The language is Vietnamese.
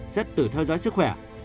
xét tử theo dõi sức khỏe